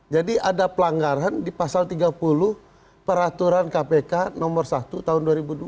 jadi ada pelanggaran di pasal tiga puluh peraturan kpk nomor satu tahun dua ribu dua puluh dua